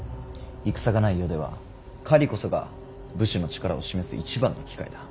戦がない世では狩りこそが武士の力を示す一番の機会だ。